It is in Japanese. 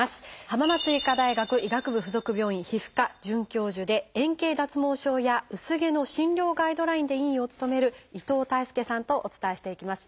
浜松医科大学医学部附属病院皮膚科准教授で円形脱毛症や薄毛の診療ガイドラインで委員を務める伊藤泰介さんとお伝えしていきます。